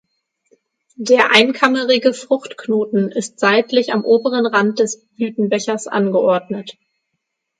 Der einkammerige Fruchtknoten ist seitlich am oberen Rand des Blütenbechers angeordnet.